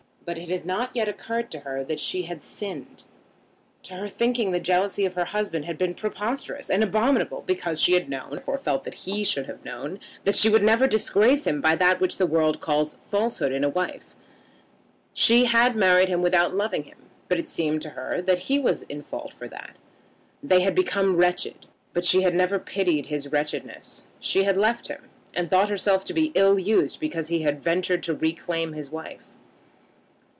But it had not yet occurred to her that she had sinned. To her thinking the jealousy of her husband had been preposterous and abominable, because she had known, and had therefore felt that he should have known, that she would never disgrace him by that which the world calls falsehood in a wife. She had married him without loving him, but it seemed to her that he was in fault for that. They had become wretched, but she had never pitied his wretchedness. She had left him, and thought herself to be ill used because he had ventured to reclaim his wife.